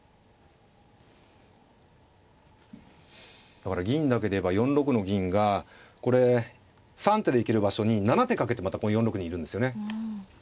だから銀だけで言えば４六の銀がこれ３手で行ける場所に７手かけてまた４六にいるんですよね。